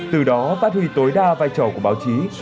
từ đó phát huy tối đa vai trò của báo chí